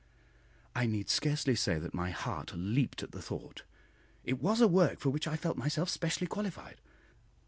I need scarcely say that my heart leaped at the thought; it was a work for which I felt myself specially qualified.